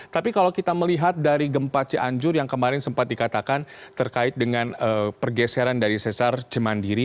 tapi kalau kita melihat dari gempa cianjur yang kemarin sempat dikatakan terkait dengan pergeseran dari sesar cemandiri